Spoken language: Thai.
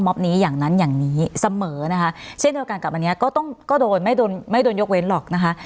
ม็อปนี้อย่างนั้นอย่างนี้เสมอนะคะเช่นโดยการกับอันนี้ก็โดนไม่โดนยกเว้นหรอกนะคะ